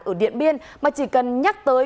ở điện biên mà chỉ cần nhắc tới